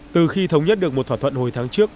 từ khi thống nhất được một thỏa thuận hồi tháng trước